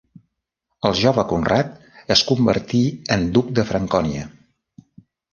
El jove Conrad es convertí en duc de Francònia.